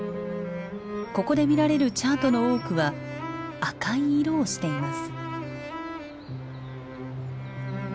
ここで見られるチャートの多くは赤い色をしています。